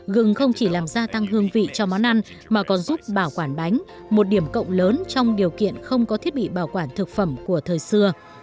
gừng không chỉ làm gia tăng hương vị cho món ăn mà còn giúp bảo quản bánh một điểm cộng lớn trong điều kiện không có thiết bị bảo quản thực phẩm của thời xưa